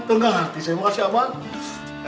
tengah hati saya makasih abah